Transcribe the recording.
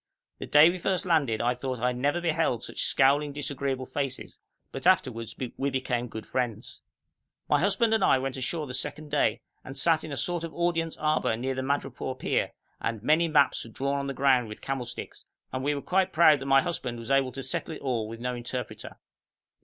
The day we first landed I thought I never had beheld such scowling, disagreeable faces, but afterwards we became good friends. My husband and I went ashore the second day, and sat in a sort of audience arbour near the madrepore pier, and many maps were drawn on the ground with camel sticks, and we were quite proud that my husband was able to settle it all with no interpreter.